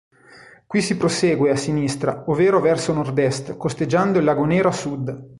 Qui si prosegue a sinistra, ovvero verso nord-Est, costeggiando il lago nero a sud.